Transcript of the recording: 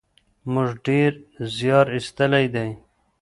موږ ډېر زیار ایستلی دی.